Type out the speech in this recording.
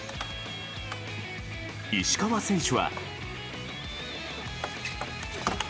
石川選手は。